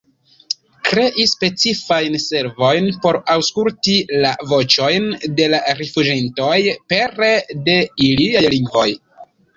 Krei specifajn servojn por aŭskulti la voĉojn de la rifuĝintoj pere de iliaj lingvoj.